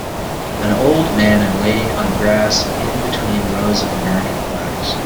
An old man and lady on grass in between rows of American flags.